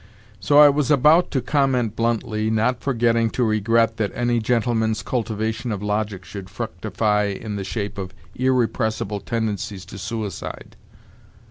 So I was about to comment bluntly, not forgetting to regret that any gentleman's cultivation of logic should fructify in the shape of irrepressible tendencies to suicide.